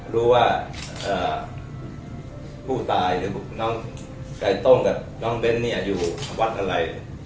รู้ว่าผู้ตายหรือน้องไก่ต้มกับน้องเบ้นเนี่ยอยู่วัดอะไร